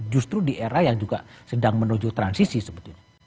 justru di era yang juga sedang menuju transisi sebetulnya